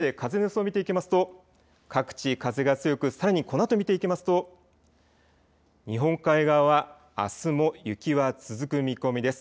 そして風の予想を見ていきますと各地、風が強くさらにこのあと見ていきますと、日本海側はあすも雪は続く見込みです。